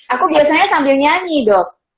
aku biasanya sambil nyanyi dok